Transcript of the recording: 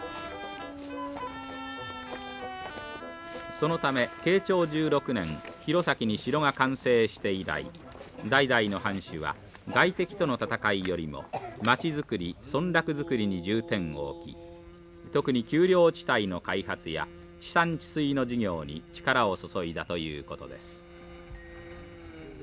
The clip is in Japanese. そのため慶長１６年弘前に城が完成して以来代々の藩主は外敵との戦いよりも町づくり村落づくりに重点を置き特に丘陵地帯の開発や治山治水の事業に力を注いだということです。